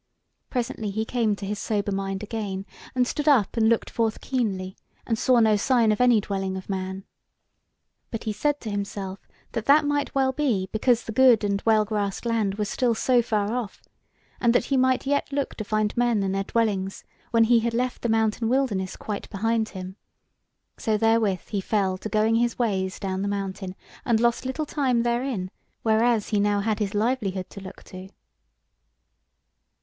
Presently he came to his sober mind again, and stood up and looked forth keenly, and saw no sign of any dwelling of man. But he said to himself that that might well be because the good and well grassed land was still so far off, and that he might yet look to find men and their dwellings when he had left the mountain wilderness quite behind him: So therewith he fell to going his ways down the mountain, and lost little time therein, whereas he now had his livelihood to look to.